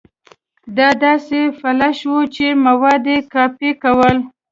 دا داسې فلش و چې مواد يې کاپي کول.